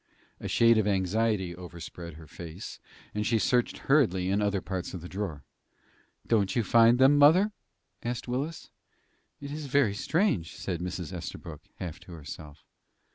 A shade of anxiety overspread her face, and she searched hurriedly in other parts of the drawer. "Don't you find them, mother?" asked Willis. "It is very strange," said Mrs. Estabrook, half to herself.